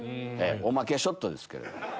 おまけショットですけれど。